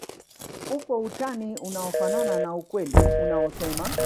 upo utani unaofanana na ukweli unaosema